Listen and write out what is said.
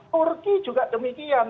turki juga demikian